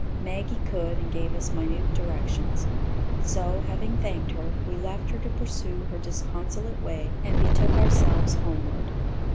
Maggie could, and gave us minute directions. So, having thanked her, we left her to pursue her disconsolate way and betook ourselves homeward.